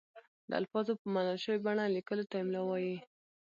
د الفاظو په منل شوې بڼه لیکلو ته املاء وايي.